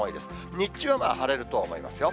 日中は晴れると思いますよ。